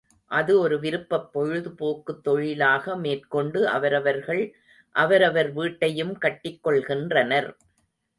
அது ஒரு விருப்பப் பொழுதுபோக்குத் தொழிலாக மேற்கொண்டு அவரவர்கள் அவரவர் வீட்டையும் கட்டிக் கொள்கின்றனர்.